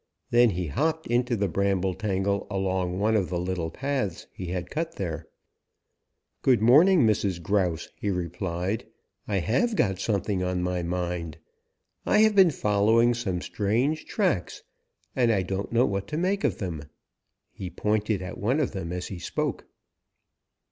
Then he hopped into the bramble tangle along one of the little paths he had cut there. "Good morning, Mrs. Grouse," he replied. "I have got something on my mind. I have been following some strange tracks, and I don't know what to make of them." He pointed at one of them as he spoke.